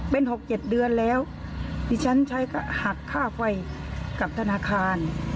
เป็น๖๗เดือนแล้วดิฉันใช้ก็หักค่าไฟกับธนาคาร